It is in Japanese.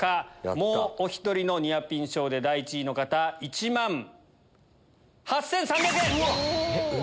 もうお１人のニアピン賞で第１位の方１万８３００円！